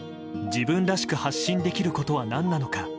自分らしく発信できることは何なのか。